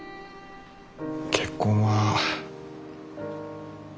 結婚は。